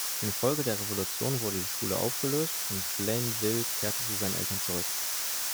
Infolge der Revolution wurde die Schule aufgelöst, und Blainville kehrte zu seinen Eltern zurück.